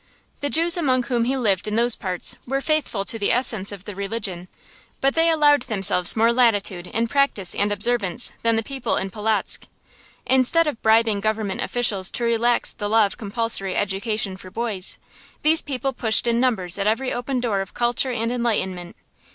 The Jews among whom he lived in those parts were faithful to the essence of the religion, but they allowed themselves more latitude in practice and observance than the people in Polotzk. Instead of bribing government officials to relax the law of compulsory education for boys, these people pushed in numbers at every open door of culture and enlightenment.